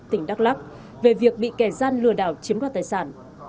tỉnh đắk lắc về việc bị kẻ gian lừa đảo chiếm đoạt tài sản